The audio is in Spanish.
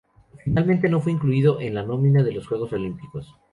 Finalmente no fue incluido en la nómina de los Juegos Olímpicos.